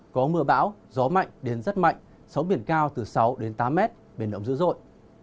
có mưa bão gió mạnh đến rất mạnh sóng biển cao từ sáu đến tám mét biển động dữ dội